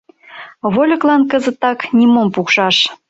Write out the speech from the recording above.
Вольыклан кызытак нимом пукшаш.